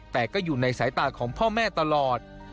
แต่ก็อยู่ในสายตาของพ่อแม่ตลอด